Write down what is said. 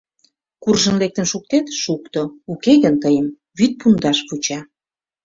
Куржын лектын шуктет — шукто, уке гын тыйым вӱд пундаш вуча.